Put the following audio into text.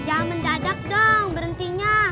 jangan mendadak dong berhentinya